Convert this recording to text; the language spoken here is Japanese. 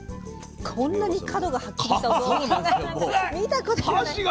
こんなに角がはっきりしたお豆腐なんか見たことない。